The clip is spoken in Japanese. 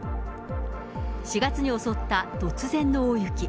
４月に襲った突然の大雪。